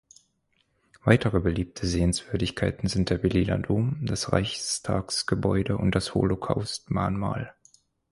Weitere beliebte Sehenswürdigkeiten sind der Berliner Dom, das Reichstagsgebäude und das Holocaust-Mahnmal.